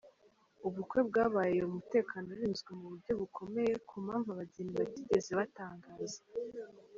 Ubukwe bwabaye umutekano urinzwe mu buryo bukomeye ku mpamvu abageni batigeze batangaza.